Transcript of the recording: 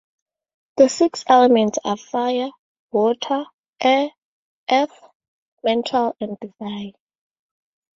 The six elements are fire, water, air, earth, mental and divine.